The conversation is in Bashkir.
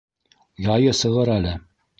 Яйы сығыр әле.